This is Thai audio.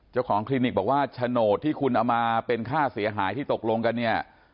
คลินิกบอกว่าโฉนดที่คุณเอามาเป็นค่าเสียหายที่ตกลงกันเนี่ย